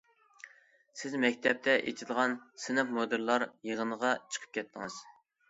سىز مەكتەپتە ئېچىلغان سىنىپ مۇدىرلار يىغىنىغا چىقىپ كەتتىڭىز.